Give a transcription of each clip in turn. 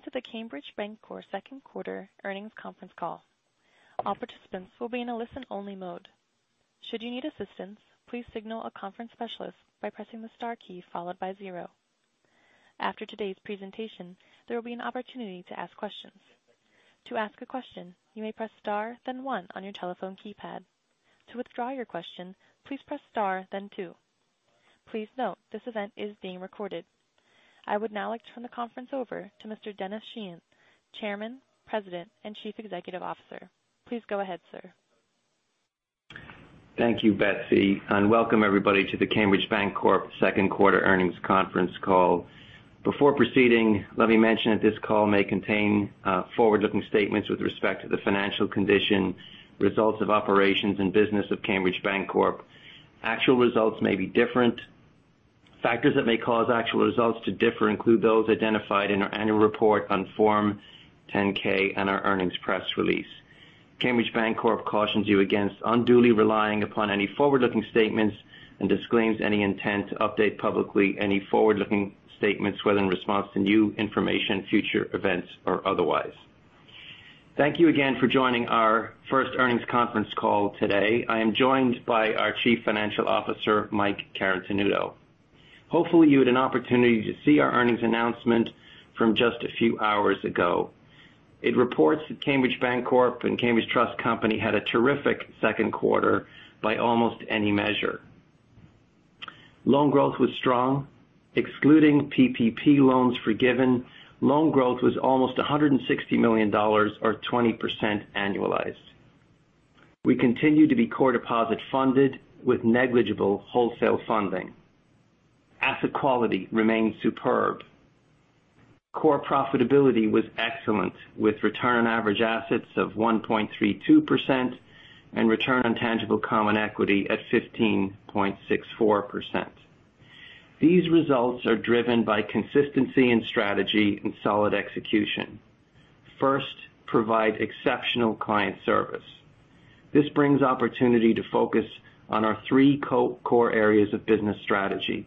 Welcome to the Cambridge Bancorp second quarter earnings conference call. All participants will be in a listen-only mode. Should you need assistance, please signal a conference specialist by pressing the star key followed by zero. After today's presentation, there will be an opportunity to ask questions. To ask a question, you may press star then one on your telephone keypad. To withdraw your question, please press star then two. Please note, this event is being recorded. I would now like to turn the conference over to Mr. Denis Sheahan, Chairman, President, and Chief Executive Officer. Please go ahead, sir. Thank you, Betsy, and welcome everybody to the Cambridge Bancorp second quarter earnings conference call. Before proceeding, let me mention that this call may contain forward-looking statements with respect to the financial condition, results of operations, and business of Cambridge Bancorp. Actual results may be different. Factors that may cause actual results to differ include those identified in our annual report on Form 10-K and our earnings press release. Cambridge Bancorp cautions you against unduly relying upon any forward-looking statements and disclaims any intent to update publicly any forward-looking statements, whether in response to new information, future events, or otherwise. Thank you again for joining our first earnings conference call today. I am joined by our Chief Financial Officer, Michael Carotenuto. Hopefully, you had an opportunity to see our earnings announcement from just a few hours ago. It reports that Cambridge Bancorp and Cambridge Trust Company had a terrific second quarter by almost any measure. Loan growth was strong. Excluding PPP loans forgiven, loan growth was almost $160 million, or 20% annualized. We continue to be core deposit funded with negligible wholesale funding. Asset quality remains superb. Core profitability was excellent, with return on average assets of 1.32% and return on tangible common equity at 15.64%. These results are driven by consistency in strategy and solid execution. First, provide exceptional client service. This brings opportunity to focus on our three core areas of business strategy: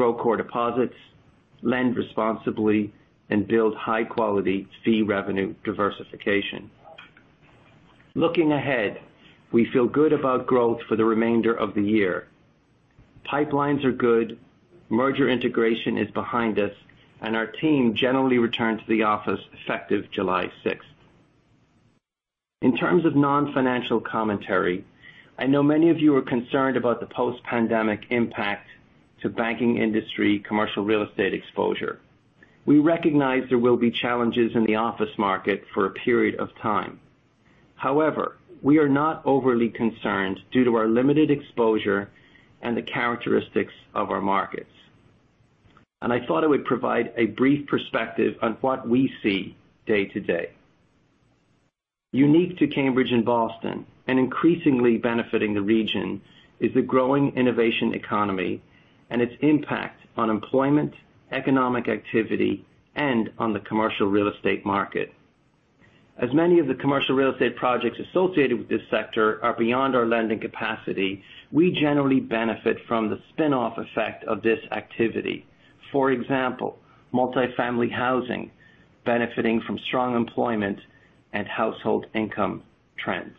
Grow Core Deposits, Lend Responsibly, and Build High-Quality Fee Revenue Diversification. Looking ahead, we feel good about growth for the remainder of the year. Pipelines are good, merger integration is behind us, and our team generally returned to the office effective July 6th. In terms of non-financial commentary, I know many of you are concerned about the post-pandemic impact to banking industry commercial real estate exposure. We recognize there will be challenges in the office market for a period of time. However, we are not overly concerned due to our limited exposure and the characteristics of our markets. I thought I would provide a brief perspective on what we see day to day. Unique to Cambridge and Boston, and increasingly benefiting the region, is the growing innovation economy and its impact on employment, economic activity, and on the commercial real estate market. As many of the commercial real estate projects associated with this sector are beyond our lending capacity, we generally benefit from the spinoff effect of this activity, for example, multifamily housing benefiting from strong employment and household income trends.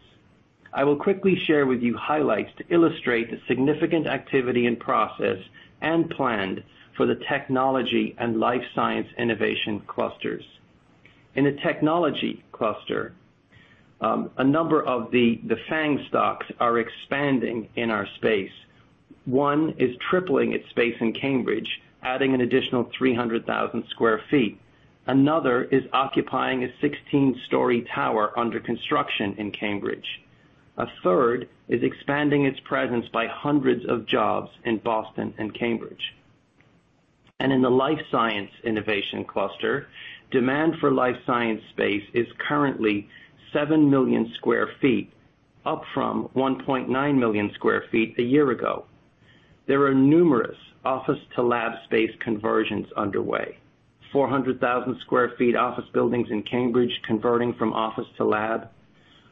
I will quickly share with you highlights to illustrate the significant activity in process and planned for the technology and life science innovation clusters. In the technology cluster, a number of the FAANG stocks are expanding in our space. One is tripling its space in Cambridge, adding an additional 300,000 sq ft. Another is occupying a 16-story tower under construction in Cambridge. A third is expanding its presence by hundreds of jobs in Boston and Cambridge. In the life science innovation cluster, demand for life science space is currently 7 million sq ft, up from 1.9 million sq ft a year ago. There are numerous office-to-lab space conversions underway. 400,000 sq ft office buildings in Cambridge converting from office to lab.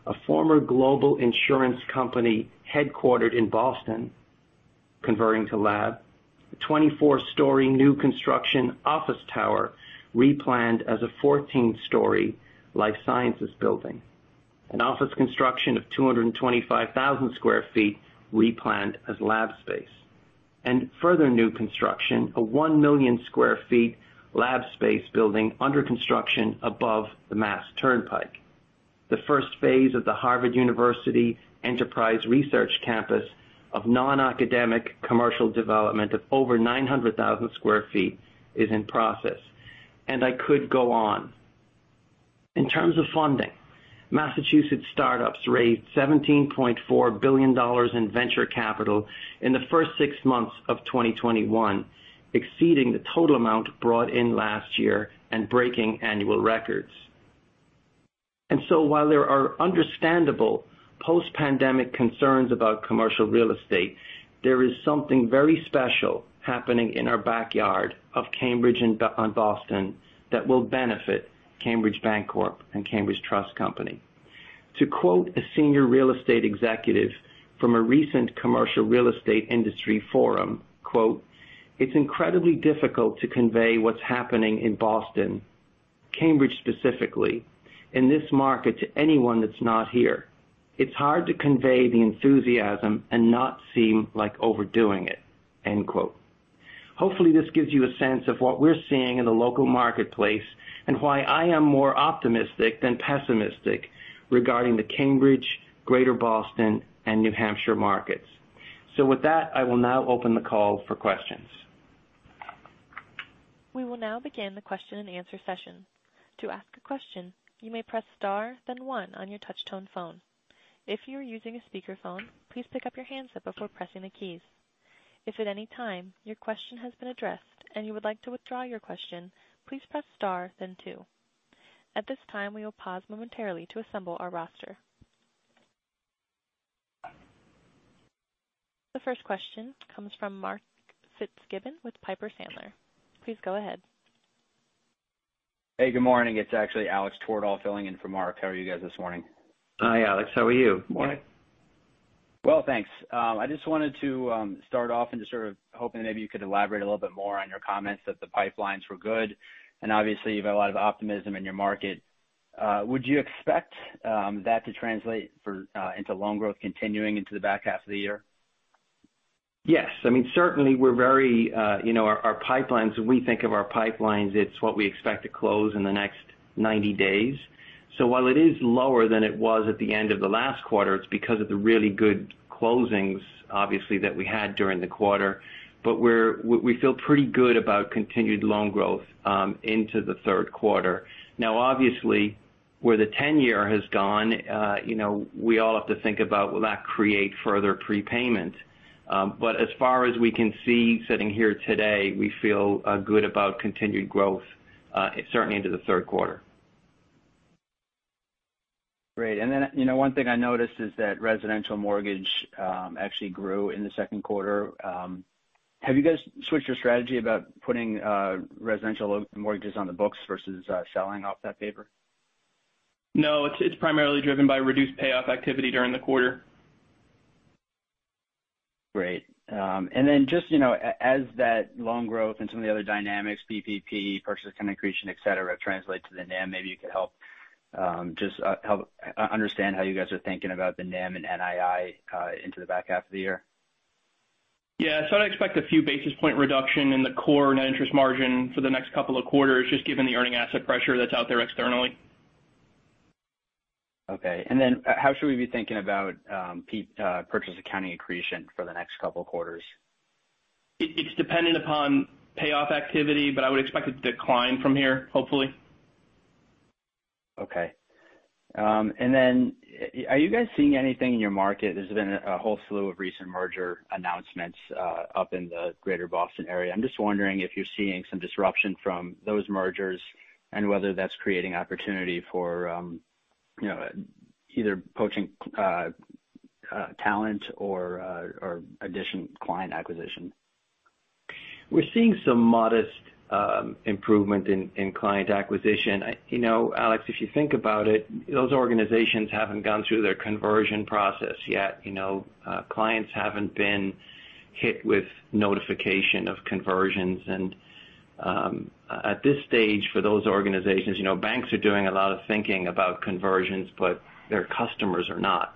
A former global insurance company headquartered in Boston converting to lab. A 24-story new construction office tower replanned as a 14-story life sciences building. An office construction of 225,000 sq ft replanned as lab space. Further new construction, a 1 million sq ft lab space building under construction above the Mass Turnpike. The first phase of the Harvard University Enterprise Research Campus of non-academic commercial development of over 900,000 sq ft is in process. I could go on. In terms of funding, Massachusetts startups raised $17.4 billion in venture capital in the first six months of 2021, exceeding the total amount brought in last year and breaking annual records. While there are understandable post-pandemic concerns about commercial real estate, there is something very special happening in our backyard of Cambridge and Boston that will benefit Cambridge Bancorp and Cambridge Trust Company. To quote a senior real estate executive from a recent commercial real estate industry forum, "It's incredibly difficult to convey what's happening in Boston, Cambridge specifically, in this market to anyone that's not here. It's hard to convey the enthusiasm and not seem like overdoing it." Hopefully, this gives you a sense of what we're seeing in the local marketplace and why I am more optimistic than pessimistic regarding the Cambridge, Greater Boston, and New Hampshire markets. With that, I will now open the call for questions. We will now begin the Q&A session. To ask a question, you may press star then one on your touch tone phone. If you are using a speakerphone, please pick up your handset before pressing the keys. If at any time your question has been addressed and you would like to withdraw your question, please press star then two. At this time, we will pause momentarily to assemble our roster. The first question comes from Mark Fitzgibbon with Piper Sandler. Please go ahead. Hey, good morning. It's actually Alex Twerdahl filling in for Mark. How are you guys this morning? Hi, Alex. How are you? Morning. Well, thanks. I just wanted to start off and just sort of hoping maybe you could elaborate a little bit more on your comments that the pipelines were good, and obviously you've got a lot of optimism in your market. Would you expect that to translate into loan growth continuing into the back half of the year? Yes. Certainly, our pipelines, when we think of our pipelines, it is what we expect to close in the next 90 days. While it is lower than it was at the end of the last quarter, it is because of the really good closings, obviously, that we had during the quarter. We feel pretty good about continued loan growth into the third quarter. Now, obviously, where the 10-year has gone, we all have to think about will that create further prepayment. As far as we can see sitting here today, we feel good about continued growth, certainly into the third quarter. Great. One thing I noticed is that residential mortgage actually grew in the second quarter. Have you guys switched your strategy about putting residential mortgages on the books versus selling off that paper? No, it's primarily driven by reduced payoff activity during the quarter. Great. Just as that loan growth and some of the other dynamics, PPP, purchase accounting accretion, et cetera, translate to the NIM, maybe you could help understand how you guys are thinking about the NIM and NII into the back half of the year. Yeah. I'd expect a few basis point reduction in the core net interest margin for the next couple of quarters, just given the earning asset pressure that's out there externally. Okay. Then how should we be thinking about purchase accounting accretion for the next couple of quarters? It's dependent upon payoff activity, but I would expect it to decline from here, hopefully. Okay. Are you guys seeing anything in your market? There's been a whole slew of recent merger announcements up in the Greater Boston area. I'm just wondering if you're seeing some disruption from those mergers and whether that's creating opportunity for either poaching talent or additional client acquisition. We're seeing some modest improvement in client acquisition. Alex, if you think about it, those organizations haven't gone through their conversion process yet. Clients haven't been hit with notification of conversions. At this stage, for those organizations, banks are doing a lot of thinking about conversions, but their customers are not.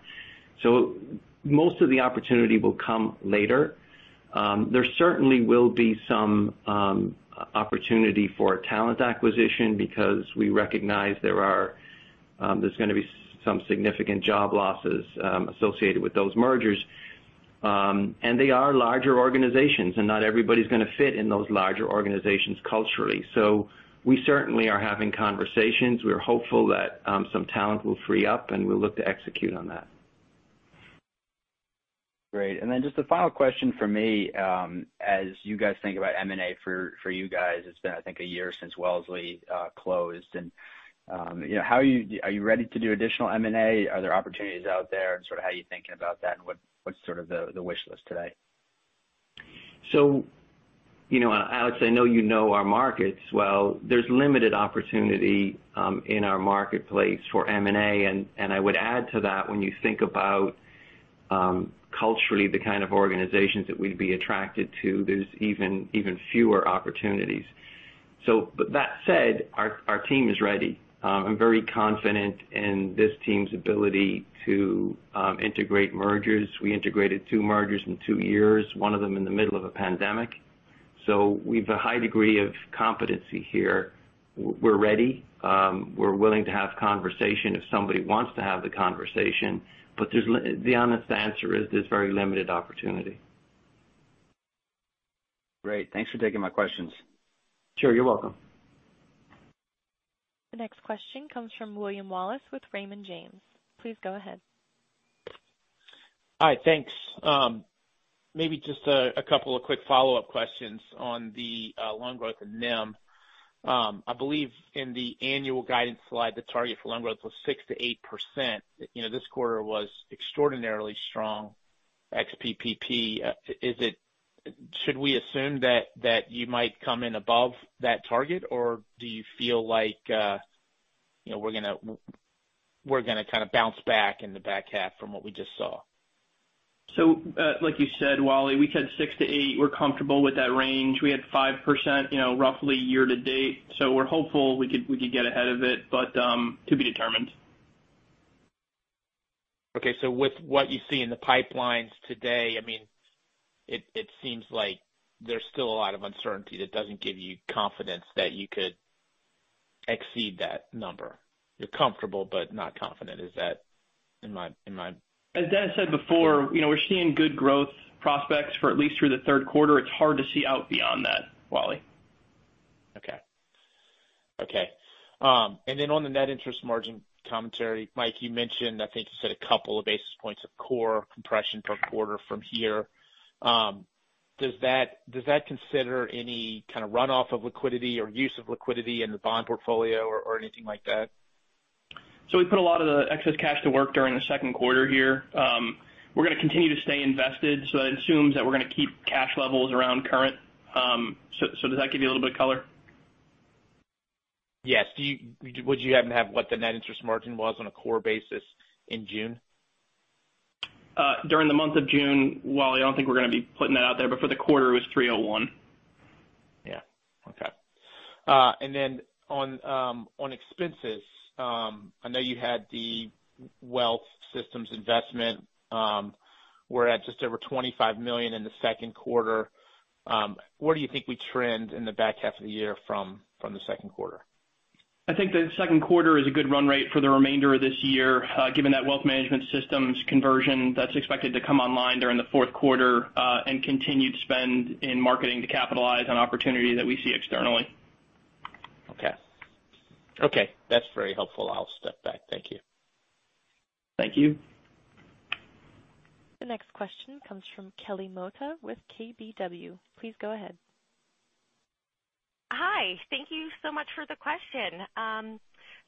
Most of the opportunity will come later. There certainly will be some opportunity for talent acquisition because we recognize there's going to be some significant job losses associated with those mergers. They are larger organizations, and not everybody's going to fit in those larger organizations culturally. We certainly are having conversations. We are hopeful that some talent will free up, and we'll look to execute on that. Great. Just the final question from me. As you guys think about M&A for you guys, it's been, I think, a year since Wellesley closed. Are you ready to do additional M&A? Are there opportunities out there? Sort of how are you thinking about that, and what's sort of the wish list today? Alex, I know you know our markets well. There's limited opportunity in our marketplace for M&A. I would add to that, when you think about culturally the kind of organizations that we'd be attracted to, there's even fewer opportunities. With that said, our team is ready. I'm very confident in this team's ability to integrate mergers. We integrated two mergers in two years, one of them in the middle of a pandemic, so we've a high degree of competency here. We're ready. We're willing to have conversation if somebody wants to have the conversation. The honest answer is there's very limited opportunity. Great. Thanks for taking my questions. Sure. You're welcome. The next question comes from William Wallace with Raymond James. Please go ahead. Hi. Thanks. Maybe just a couple of quick follow-up questions on the loan growth and NIM. I believe in the annual guidance slide, the target for loan growth was 6%-8%. This quarter was extraordinarily strong. Ex-PPP, should we assume that you might come in above that target, or do you feel like we're going to kind of bounce back in the back half from what we just saw? Like you said, Wally, we said six to eight. We're comfortable with that range. We had 5% roughly year to date, so we're hopeful we could get ahead of it, but to be determined. Okay. With what you see in the pipelines today, it seems like there's still a lot of uncertainty that doesn't give you confidence that you could exceed that number. You're comfortable, but not confident. Is that in line? As Denis said before, we're seeing good growth prospects for at least through the third quarter. It's hard to see out beyond that, Wally. Okay. Then on the net interest margin commentary, Mike, you mentioned, I think you said a couple of basis points of core compression per quarter from here. Does that consider any kind of runoff of liquidity or use of liquidity in the bond portfolio or anything like that? We put a lot of the excess cash to work during the second quarter here. We're going to continue to stay invested, so that assumes that we're going to keep cash levels around current. Does that give you a little bit of color? Yes. Would you happen to have what the net interest margin was on a core basis in June? During the month of June, Wally, I don't think we're going to be putting that out there, but for the quarter, it was 3.01%. Yeah. Okay. On expenses, I know you had the wealth systems investment, we're at just over $25 million in the second quarter. Where do you think we trend in the back half of the year from the second quarter? I think the second quarter is a good run rate for the remainder of this year. Given that wealth management systems conversion, that's expected to come online during the fourth quarter, and continued spend in marketing to capitalize on opportunities that we see externally. Okay. That's very helpful. I'll step back. Thank you. Thank you. The next question comes from Kelly Motta with KBW. Please go ahead. Hi. Thank you so much for the question.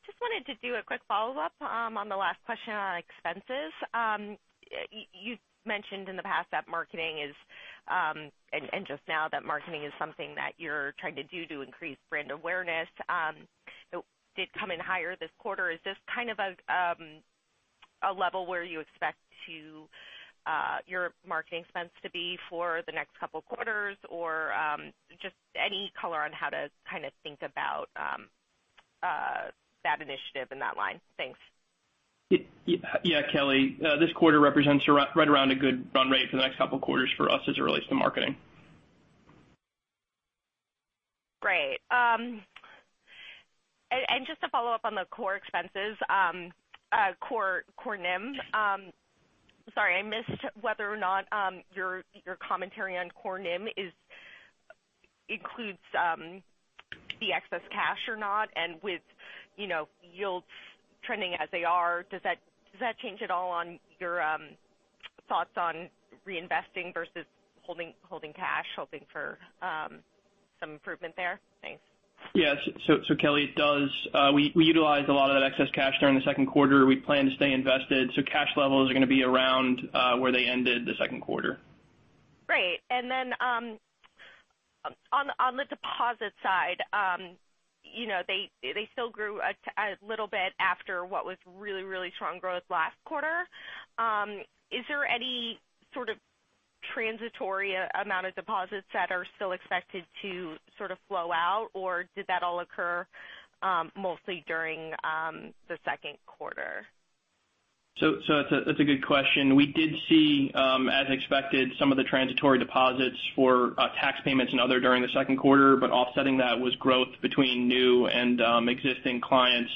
Just wanted to do a quick follow-up on the last question on expenses. You've mentioned in the past, and just now, that marketing is something that you're trying to do to increase brand awareness. It did come in higher this quarter. Is this kind of a level where you expect your marketing expense to be for the next couple of quarters? Just any color on how to kind of think about that initiative and that line. Thanks. Yeah, Kelly. This quarter represents right around a good run rate for the next couple of quarters for us as it relates to marketing. Great. Just to follow up on the core expenses, core NIM. Sorry I missed whether or not your commentary on core NIM includes the excess cash or not, and with yields trending as they are, does that change at all on your thoughts on reinvesting versus holding cash, hoping for some improvement there? Thanks. Kelly, it does. We utilized a lot of that excess cash during the second quarter. We plan to stay invested, so cash levels are going to be around where they ended the second quarter. Great. On the deposit side, they still grew a little bit after what was really strong growth last quarter. Is there any sort of transitory amount of deposits that are still expected to sort of flow out, or did that all occur mostly during the second quarter? That's a good question. We did see, as expected, some of the transitory deposits for tax payments and other during the second quarter. Offsetting that was growth between new and existing clients.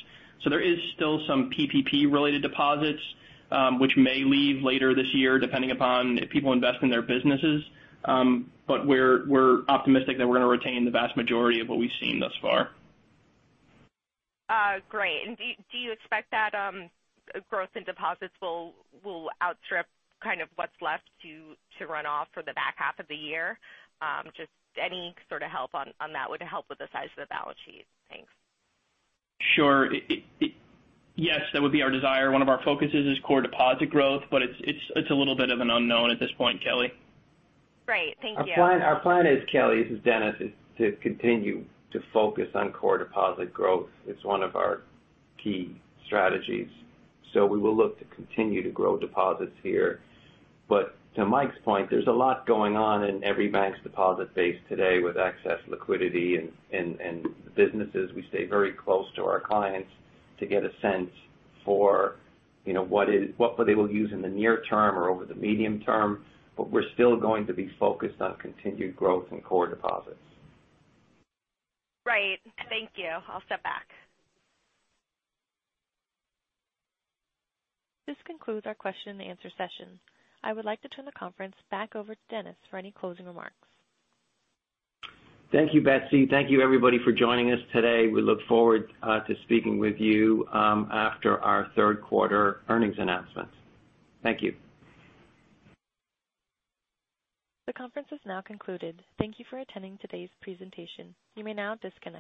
There is still some PPP-related deposits which may leave later this year depending upon if people invest in their businesses. We're optimistic that we're going to retain the vast majority of what we've seen thus far. Great. Do you expect that growth in deposits will outstrip kind of what's left to run off for the back half of the year? Just any sort of help on that would help with the size of the balance sheet. Thanks. Sure. Yes, that would be our desire. One of our focuses is core deposit growth, but it's a little bit of an unknown at this point, Kelly. Great. Thank you. Our plan is, Kelly, this is Denis, is to continue to focus on core deposit growth. It's one of our key strategies. We will look to continue to grow deposits here. To Mike's point, there's a lot going on in every bank's deposit base today with excess liquidity and businesses. We stay very close to our clients to get a sense for what they will use in the near term or over the medium term. We're still going to be focused on continued growth in core deposits. Right. Thank you. I'll step back. This concludes our question and answer session. I would like to turn the conference back over to Denis for any closing remarks. Thank you, Betsy. Thank you everybody for joining us today. We look forward to speaking with you after our third quarter earnings announcement. Thank you. The conference is now concluded. Thank you for attending today's presentation. You may now disconnect.